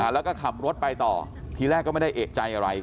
แล้วก็ขับรถไปต่อทีแรกก็ไม่ได้เอกใจอะไร